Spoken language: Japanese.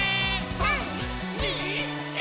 ３、２、１。